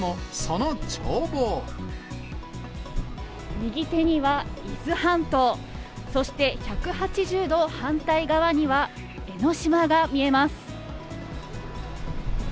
右手には伊豆半島、そして１８０度反対側には、江の島が見えます。